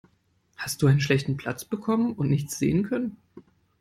Hast du einen schlechten Platz bekommen und nichts sehen können?